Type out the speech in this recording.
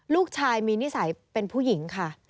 ลูกชายมีนิสัยเป็นผู้หญิงค่ะ